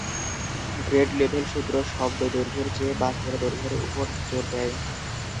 Grade level সূত্র শব্দ দৈর্ঘ্যের চেয়ে বাক্যের দৈর্ঘ্যের উপর জোর দেয়।